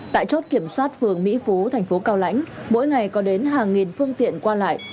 tại chốt kiểm soát phường mỹ phú thành phố cao lãnh mỗi ngày có đến hàng nghìn phương tiện qua lại